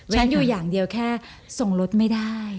อยู่อย่างเดียวแค่ส่งรถไม่ได้